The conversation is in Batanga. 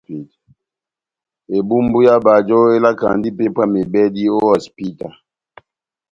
Ebumbu yá bajo elakandi ipépwa mebɛdi o hosipita.